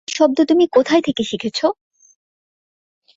আর তুমি এই শব্দ কোথায় থেকে শিখেছ?